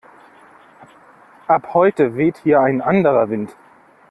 Ab heute weht hier ein anderer Wind!